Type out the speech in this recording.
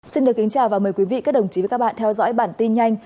xin được kính chào và mời quý vị các đồng chí và các bạn theo dõi bản tin nhanh